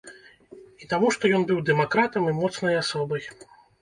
І таму што ён быў дэмакратам і моцнай асобай.